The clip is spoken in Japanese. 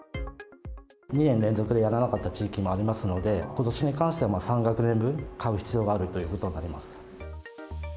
２年連続でやらなかった地域もありますので、ことしに関しては３学年分、買う必要があるということになります。